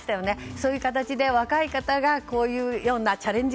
そういう形で若い方がこういうようなチャレンジ